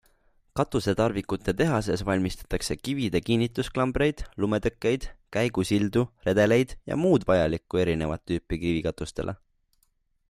Katusetarvikute tehases valmistatakse kivide kinnitusklambreid, lumetõkkeid, käigusildu, redeleid ja muud vajalikku erinevat tüüpi kivikatustele.